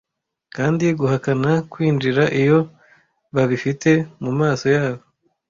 kandi guhakana kwinjira iyo babifite mumaso yabo